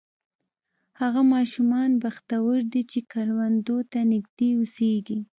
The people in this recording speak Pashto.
هغه ماشومان بختور دي چې کروندو ته نږدې اوسېږي.